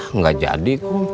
enggak jadi kum